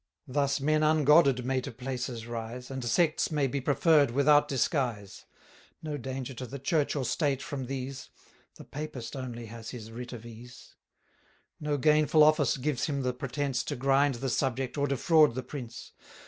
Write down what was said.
Thus men ungodded may to places rise, And sects may be preferr'd without disguise: No danger to the Church or State from these; The Papist only has his writ of ease. No gainful office gives him the pretence To grind the subject, or defraud the prince.